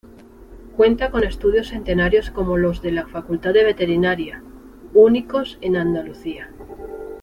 Cuenta con estudios centenarios como los de la Facultad de Veterinaria, únicos en Andalucía.